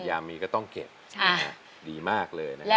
ยามีก็ต้องเก็บดีมากเลย